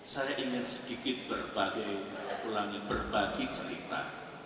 saya ingin sedikit berbagi ulangi berbagi cerita